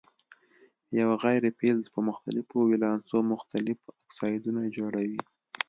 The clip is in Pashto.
یو غیر فلز په مختلفو ولانسو مختلف اکسایدونه جوړوي.